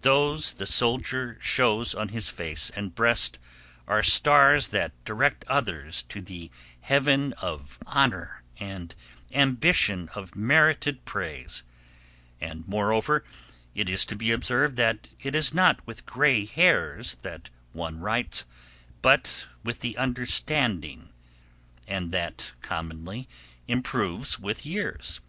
Those the soldier shows on his face and breast are stars that direct others to the heaven of honour and ambition of merited praise; and moreover it is to be observed that it is not with grey hairs that one writes, but with the understanding, and that commonly improves with years.